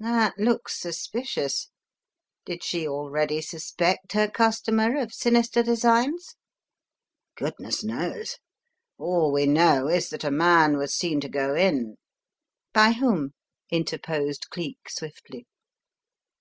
That looks suspicious. Did she already suspect her customer of sinister designs?" "Goodness knows! All we know is that a man was seen to go in " "By whom?" interposed Cleek swiftly.